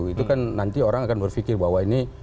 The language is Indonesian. itu kan nanti orang akan berpikir bahwa ini